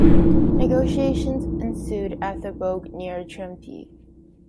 Negotiations ensued at the Bogue near Chuenpi.